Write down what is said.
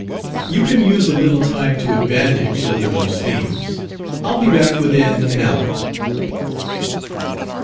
"You can use a little time to advantage over those themes. I'll be back within an hour."